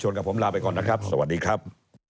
กับผมลาไปก่อนนะครับสวัสดีครับ